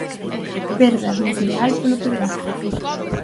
Perdas no cereal polo pedrazo.